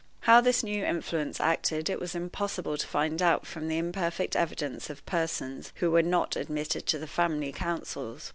How this new influence acted it was impossible to find out from the imperfect evidence of persons who were not admitted to the family councils.